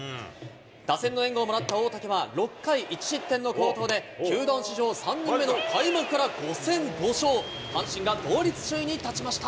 打線の援護をもらった大竹は、６回１失点の好投で、球団史上３人目の開幕から５戦５勝、阪神が同率首位に立ちました。